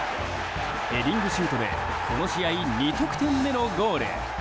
ヘディングシュートでこの試合、２得点目のゴール。